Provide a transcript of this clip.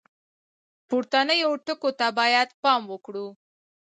پورتنیو ټکو ته باید پام وکړو.